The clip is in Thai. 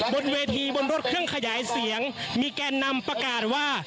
บนเวทีบนรถเครื่องขยายเสียงมีแกนนำประกาศว่า